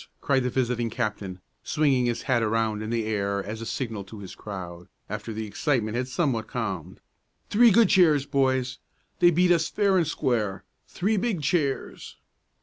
cried the visiting captain, swinging his hat around in the air as a signal to his crowd, after the excitement had somewhat calmed. "Three good cheers, boys! They beat us fair and square! Three big cheers!"